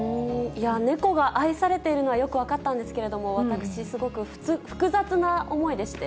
猫が愛されているのはよく分かったんですけれども、私、すごく複雑な思いでして。